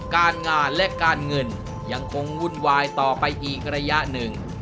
การงานและการเงินยังคงวุ่นวายต่อไปอีกระยะหนึ่ง